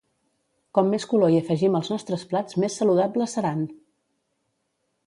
Com més color hi afegim als nostres plats més saludables seran!